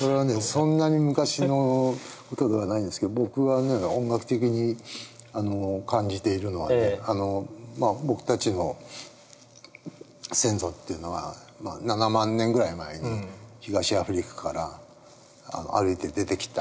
そんなに昔の事ではないんですけれども僕が音楽的に感じているのはね僕たちの先祖っていうのは７万年ぐらい前に東アフリカから歩いて出てきた。